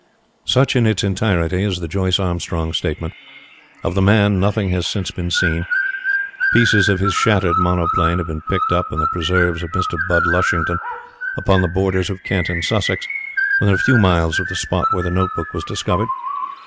Such in its entirety is the Joyce Armstrong Statement. Of the man nothing has since been seen. Pieces of his shattered monoplane have been picked up in the preserves of Mr. Budd Lushington upon the borders of Kent and Sussex, within a few miles of the spot where the note book was discovered.